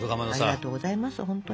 ありがとございますほんとに。